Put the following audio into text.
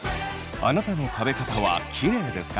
あなたの食べ方はキレイですか？